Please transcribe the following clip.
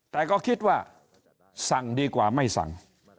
แต่ก็คิดว่าสั่งดีกว่าไม่สั่ง